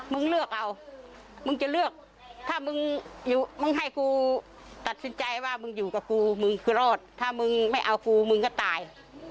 มึงเลือกเอามึงจะเลือกถ้ามึงมึงให้กูตัดสินใจว่ามึงอยู่กับกูมึงคือรอดถ้ามึงไม่เอากูมึงก็ตาย